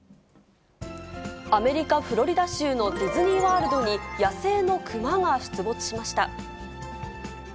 アメリカ・フロリダ州のディズニー・ワールドに野生のクマが出没しました。